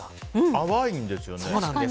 淡いんですよね。